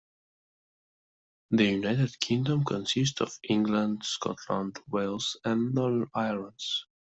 The United Kingdom consists of England, Scotland, Wales and Northern Ireland.